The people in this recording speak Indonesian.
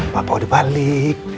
bapak udah balik